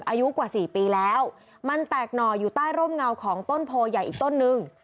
อายุกว่าสี่ปีแล้วมันแตกหน่ออยู่ใต้ร่มเงาของต้นโพใหญ่อีกต้นนึง